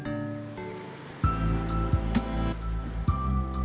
pusat peradaban dan kebudayaan lokal